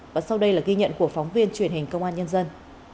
và sau đây là ghi nhận của phóng viên truyền hình công an nhân dân